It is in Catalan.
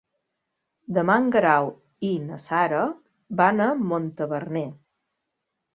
Demà en Guerau i na Sara van a Montaverner.